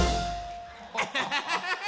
アハハハハ！